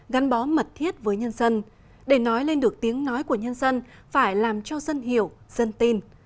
gắn bó mật thiết với nhân dân để nói lên được tiếng nói của nhân dân phải làm cho dân hiểu dân tin